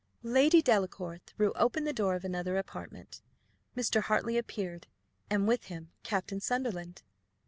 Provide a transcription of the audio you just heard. Lady Delacour threw open the door of another apartment. Mr. Hartley appeared, and with him Captain Sunderland.